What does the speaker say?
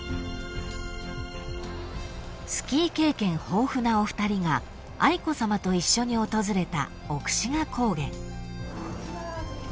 ［スキー経験豊富なお二人が愛子さまと一緒に訪れた奥志賀高原］